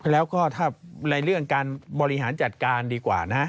แล้วก็ถ้าในเรื่องการบริหารจัดการดีกว่านะ